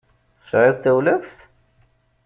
Tesɛiḍ tawlaft?